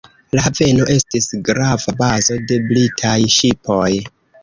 La haveno estis grava bazo de britaj ŝipoj.